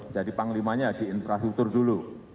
jadi panglimanya di infrastruktur dulu